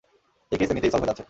এই কেইস এমনিতেই, সলভ হয়ে যাচ্ছে।